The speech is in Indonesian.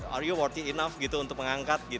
are you worthy enough untuk mengangkat